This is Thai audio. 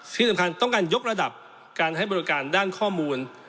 ที่สำคัญต้องการยกระดับการให้บริการด้านข้อมูล